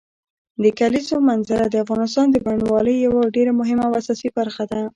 د کلیزو منظره د افغانستان د بڼوالۍ یوه ډېره مهمه او اساسي برخه ده.